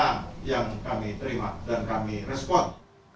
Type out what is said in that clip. jadi pemberitaan yang kami terima dan kami respon